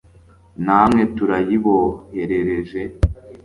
namwe turayiboherereje